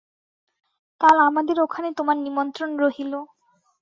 কাল আমাদের ওখানে তোমার নিমন্ত্রণ রহিল।